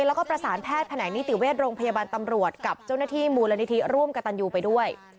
แล้วก็ประสานแพทย์แผนกนิติเวชโรงพยาบาลตำรวจกับเจ้าหน้าที่มูลนิธิร่วมกับตันยูไปด้วย